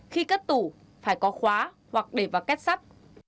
khi cất tủ phải có khóa hoặc để vào kết sắp